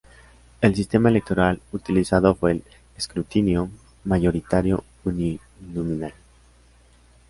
El sistema electoral utilizado fue el escrutinio mayoritario uninominal.